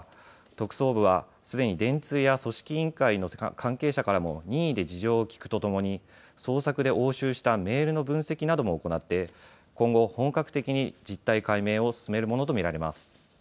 特捜部はすでに電通や組織委員会の関係者からも任意で事情を聴くとともに捜索で押収したメールの分析なども行って今後本格的に実態解明を進めるものと見られます。